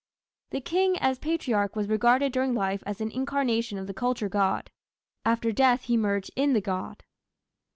The King as Patriarch was regarded during life as an incarnation of the culture god: after death he merged in the god.